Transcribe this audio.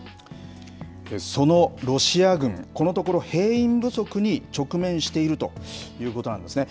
そのロシア軍、このところ兵員不足に直面しているということなんですね。